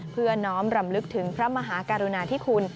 เพื่อน้อมรำลึกถึงพระมหากรุณาธิคุณ